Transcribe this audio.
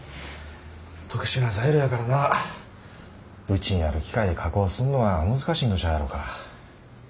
特殊な材料やからなうちにある機械で加工すんのは難しいんとちゃうやろか。